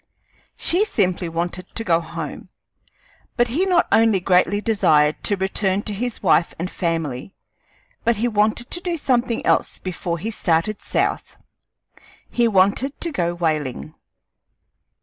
She simply wanted to go home; but he not only greatly desired to return to his wife and family, but he wanted to do something else before he started south; he wanted to go whaling.